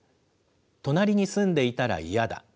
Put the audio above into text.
隣に住んでいたら嫌だ。